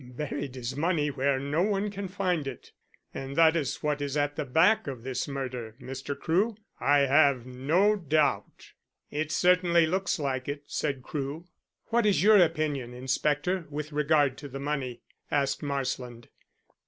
Buried his money where no one can find it. And that is what is at the back of this murder, Mr Crewe, I have no doubt." "It certainly looks like it," said Crewe. "What is your opinion, inspector, with regard to the money?" asked Marsland.